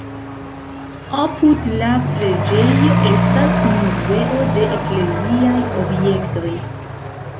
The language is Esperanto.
Apud la preĝejo estas muzeo de ekleziaj objektoj.